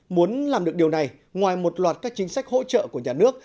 muốn làm được điều này ngoài một loạt các chính sách hỗ trợ của nhà nước